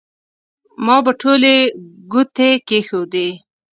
ما به ټولې ګوتې کېښودې.